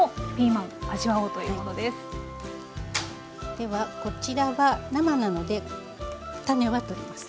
ではこちらは生なので種は取ります。